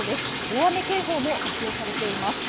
大雨警報も発表されています。